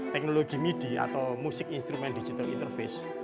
teknologi midi atau musik instrument digital interface